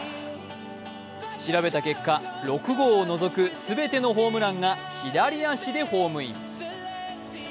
調べた結果、６号を除く全てのホームランが左足でホームイン。